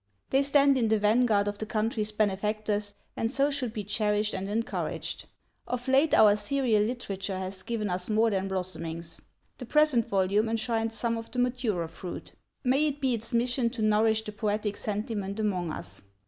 They stand in the vanguard of the country's benefactors, and so should be cherished and encouraged. Of late our serial literature has given us more than blossomings. The present volume enshrines some of the maturer fruit. May it be its mission to nourish the poetic sentiment among us.